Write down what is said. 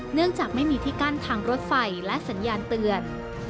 เนื่องจากไม่มีที่กั้นทางรถไฟและสัญญาณเตือน